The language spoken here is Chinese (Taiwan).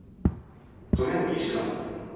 我昨天意識到